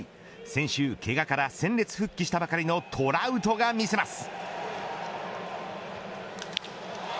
先週、けがから戦列復帰したばかりのトラウトが見せます。